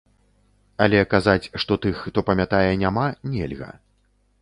Але казаць, што тых, хто памятае, няма, нельга.